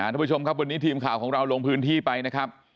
ทุกผู้ชมครับวันนี้ทีมข่าวของเราลงพื้นที่ไปนะครับ